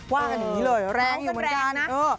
ว่าอย่างนี้เลยแรงอยู่เหมือนกัน